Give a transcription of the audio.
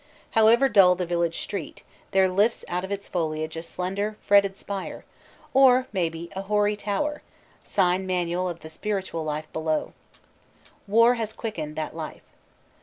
However dull the village street, there lifts out of its foliage a slender fretted spire, or, maybe, a hoary tower, sign manual of the spiritual life below. War has quickened that life.